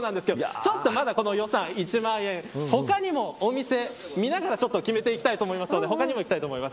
ちょっとまだこの予算１万円他にもお店、見ながら決めていきたいと思いますので他にも行きたいと思います。